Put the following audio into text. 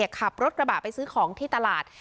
ขับรถกระบะไปซื้อของที่ตลาด